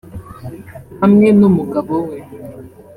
Hamwe n’umugabo we